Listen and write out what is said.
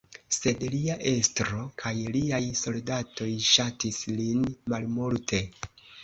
Sed lia estro kaj liaj soldatoj ŝatis lin malmulte.